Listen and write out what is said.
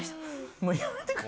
もうやめてくれ。